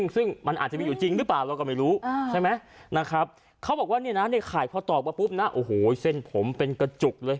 เค้าบอกว่านะเนี่ยนะขายข้อตอบว่าปุ๊ปนะโอ้โหเส้นผมเป็นกระจุกเลย